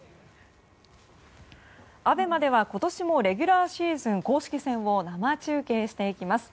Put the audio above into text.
ＡＢＥＭＡでは今年もレギュラーシーズン公式戦を生中継していきます。